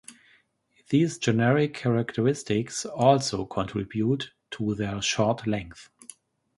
These generic characteristics also contribute to their short length.